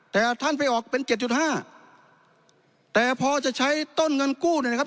แต่ท่านไปออกเป็นเจ็ดจุดห้าแต่พอจะใช้ต้นเงินกู้เนี่ยนะครับ